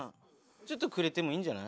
ちょっとくれてもいいんじゃない？